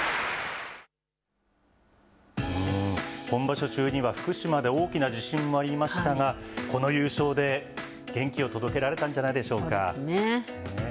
今場所中には福島で大きな地震もありましたが、この優勝で元気を届けられたんじゃないでしょうか。